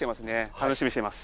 楽しみにしています。